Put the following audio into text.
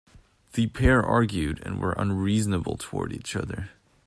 The pair argued and were unreasonable toward each other.